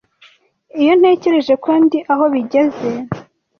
Iyo ntekereje ko ndi aho bigeze